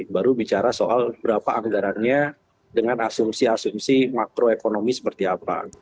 baru bicara soal berapa anggarannya dengan asumsi asumsi makroekonomi seperti apa